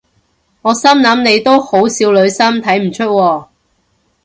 我心諗你都好少女心睇唔出喎